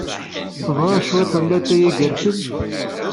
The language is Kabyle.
Tebɣiḍ cwiṭ n llatay igersen?